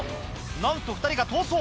なんと２人が逃走！